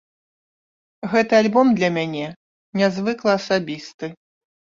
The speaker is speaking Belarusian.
Гэты альбом для мяне нязвыкла асабісты.